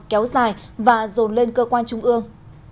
kéo dài và dồn lên cơ quan trung ương